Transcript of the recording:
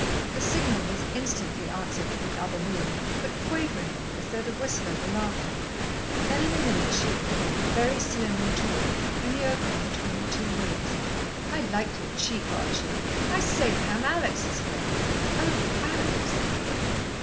The signal was instantly answered from the other room, but quaveringly, as though the whistler were laughing. Then in a minute she appeared, very slim and tall, in the opening between the two rooms. "I like your cheek, Archie!" "I say, Pam, Alex is here." "Oh, Alex!"